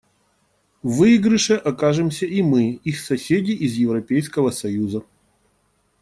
В выигрыше окажемся и мы, их соседи из Европейского союза.